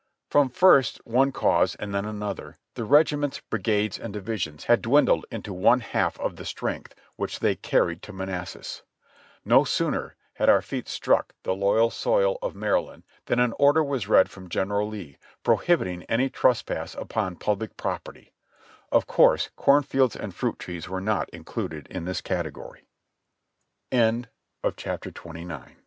From first one cause and then another, the regiments, brigades and divisions had dwindled into one half of the strength which they carried to Manassas. No sooner had our feet struck the loyal soil of Maryland than an order was read from General Lee, prohibiting any trespass upon public property; of course corn fields and fruit trees were